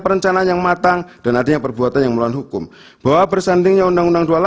perencanaan yang matang dan artinya perbuatan yang melawan hukum bahwa bersandingnya undang undang